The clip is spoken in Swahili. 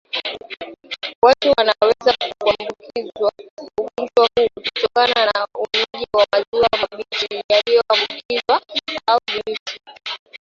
Watu wanaweza kuambukizwa ugonjwa huu kutokana na unywaji wa maziwa mabichi yaliyoambukizwa au vijusi